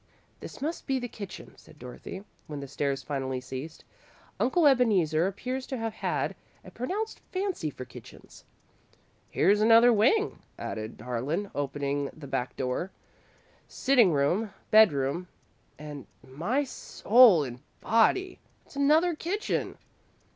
"This must be the kitchen," said Dorothy, when the stairs finally ceased. "Uncle Ebeneezer appears to have had a pronounced fancy for kitchens." "Here's another wing," added Harlan, opening the back door. "Sitting room, bedroom, and my soul and body! It's another kitchen!"